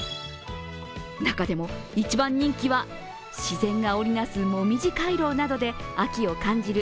中でも一番人気は、自然が織りなすもみじ回廊などで秋を感じる